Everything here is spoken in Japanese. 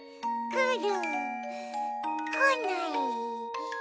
くる。